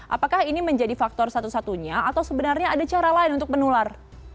apakah ini menjadi faktor satu satunya atau sebenarnya ada cara lain untuk menular